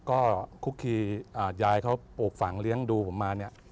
ก็คุกคียายเขาปลูกฝังเลี้ยงดูผมมาเนี่ย